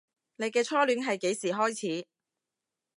你嘅初戀係幾時開始